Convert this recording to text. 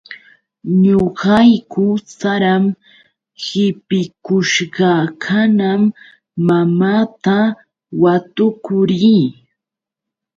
Ñuqayku saram qipikushqakamam mamaata watukuu rii.